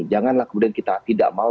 janganlah kemudian kita tidak mau